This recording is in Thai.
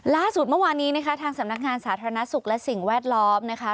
เมื่อวานี้นะคะทางสำนักงานสาธารณสุขและสิ่งแวดล้อมนะคะ